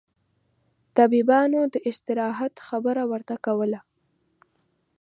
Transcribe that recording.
طبيبانو داستراحت خبره ورته کوله.